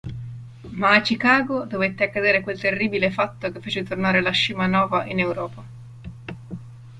Ma a Chicago dovette accadere quel terribile fatto che fece tornare la Scimanova in Europa.